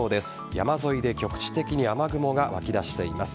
山沿いで局地的に雨雲が湧き出しています。